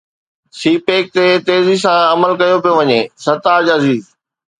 سي pack تي تيزي سان عمل ڪيو پيو وڃي: سرتاج عزيز